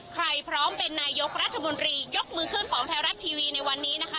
พร้อมเป็นนายกรัฐมนตรียกมือขึ้นของไทยรัฐทีวีในวันนี้นะคะ